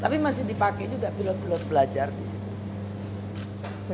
tapi masih dipakai juga pilot pilot belajar di sini